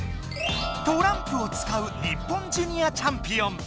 トランプを使う日本ジュニアチャンピオン。